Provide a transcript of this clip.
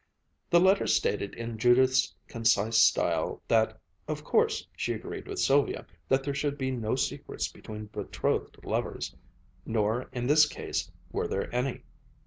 The letter stated in Judith's concise style that of course she agreed with Sylvia that there should be no secrets between betrothed lovers, nor, in this case, were there any.